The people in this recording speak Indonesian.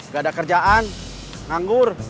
gak ada kerjaan nganggur